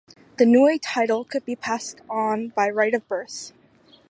The "nui" title could be passed on by right of birth.